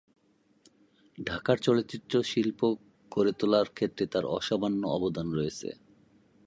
ঢাকার চলচ্চিত্র শিল্প গড়ে তোলার ক্ষেত্রে তার অসামান্য অবদান রয়েছে।